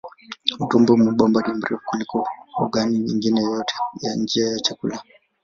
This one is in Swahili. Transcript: Utumbo mwembamba ni mrefu kuliko ogani nyingine yoyote ya njia ya chakula.